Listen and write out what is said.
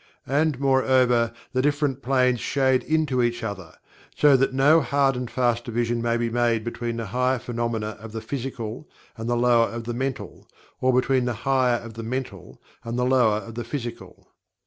And, moreover, the different Planes shade into each other, so that no hard and fast division may be made between the higher phenomena of the Physical and the lower of the Mental; or between the higher of the Mental and the lower of the Physical.